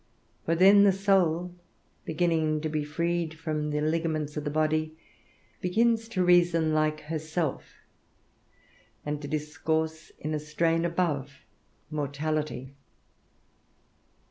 For then the soul, beginning to be freed from the ligaments of the body, begins to reason like herself, and to discourse in a strain above mortality.